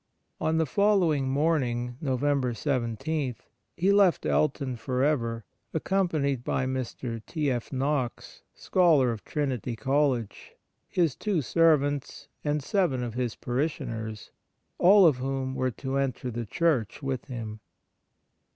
On the follow ing morning, November 17, he left Elton for ever, accompanied by Mr. T. F. Knox, Scholar of Trinity College, his two servants, 10 Memoir of Father Faher and seven of his parishioners, all of whom were to enter the Church with him.